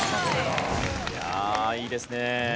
いやいいですね。